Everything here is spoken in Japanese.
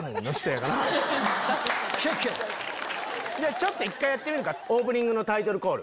⁉ちょっと１回やってみるかオープニングのタイトルコール。